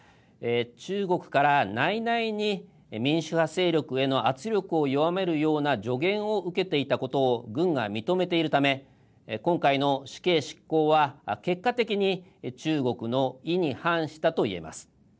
中国から内々に民主派勢力への圧力を弱めるような助言を受けていたことを軍が認めているため今回の死刑執行は結果的に、中国の意に反したと言えます。